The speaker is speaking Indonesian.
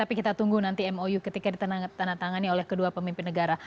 tapi kita tunggu nanti mou ketika ditandatangani oleh kedua pemimpin negara